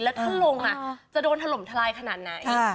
แล้วถ้าลงจะโดนถล่มทลายขนาดไหน